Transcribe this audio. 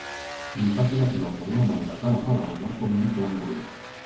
Li faci la pilota d'una manera tan apegalosa com un flam Dhul.